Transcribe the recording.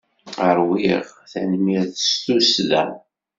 Ṛwiɣ, tanemmirt s tussda!